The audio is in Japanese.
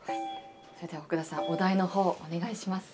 それでは奥田さんお代の方をお願いします。